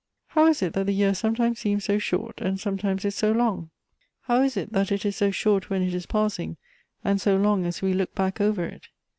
" How is it that the year sometimes seems so short, and sometimes is so long ? How is it that it is so short when it is passing, and so long as we look back over it